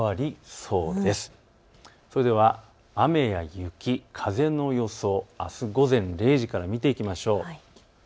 それでは雨や雪、風の予想をあす午前０時から見ていきましょう。